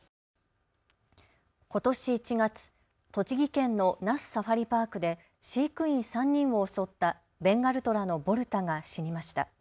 ことし１月、栃木県の那須サファリパークで飼育員３人を襲ったベンガルトラのボルタが死にました。